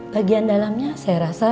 bagian dalamnya saya rasa